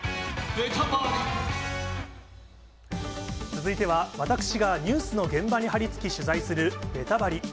続いては、私がニュースの現場に張り付き取材する、ベタバリ。